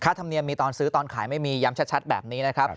ธรรมเนียมมีตอนซื้อตอนขายไม่มีย้ำชัดแบบนี้นะครับ